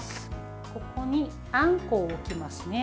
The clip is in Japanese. ここにあんこを置きますね。